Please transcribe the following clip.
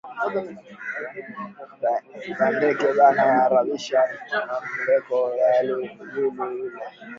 Ba ndeke bana arabisha ma mbeko ya yulu yulu